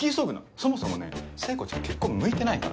そもそもね聖子ちゃん結婚向いてないから。